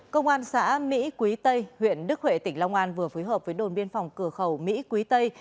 công an xã mỹ quý tây huyện đức huệ tỉnh long an vừa phối hợp với đồn biên phòng cửa khẩu mỹ quý tây